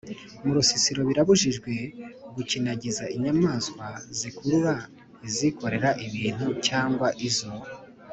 Mu nsisiro birabujijwe gukinagiza inyamaswa zikurura izikorera ibintu cyangwa izo